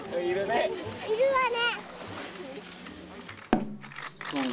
いるわね。